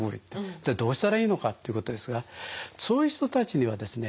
じゃあどうしたらいいのかっていうことですがそういう人たちにはですね